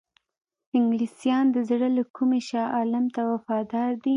انګلیسیان د زړه له کومي شاه عالم ته وفادار دي.